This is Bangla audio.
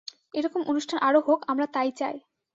এ রকম অনুষ্ঠান আরও হোক, আমরা তাই চাই।